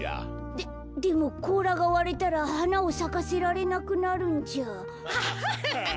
ででもこうらがわれたらはなをさかせられなくなるんじゃ。